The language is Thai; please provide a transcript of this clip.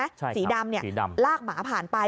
สีดำสีดำลากหมาผ่านไป